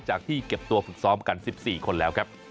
ที่เก็บตัวฝึกซ้อมกัน๑๔คนแล้วครับ